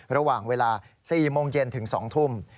ระหว่างเวลา๔โมงเย็นถึง๒ทุ่ม